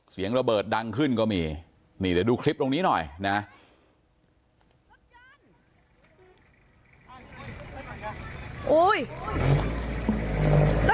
เสียงระเบิดดังขึ้นก็มีนี่เดี๋ยวดูคลิปตรงนี้หน่อยนะ